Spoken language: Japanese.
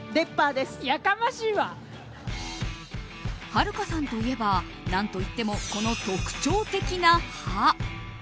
はるかさんといえば何といっても、この特徴的な歯。